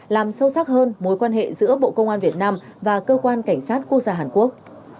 làm sâu sắc hơn mối quan hệ giữa bộ công an việt nam và cơ quan cảnh sát quốc gia hàn quốc